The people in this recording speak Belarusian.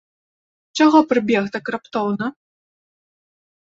Чаго прыбег так раптоўна?